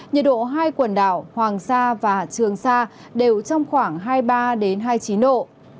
nhiệt độ hai quần đảo hoàng sa và trường sa đều trong khoảng hai mươi ba hai mươi chín độ